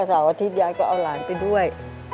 สาวอาทิตยายก็เอาหลานไปด้วย